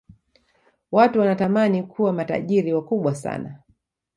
watu wanatamani kuwa matajiri wakubwa sana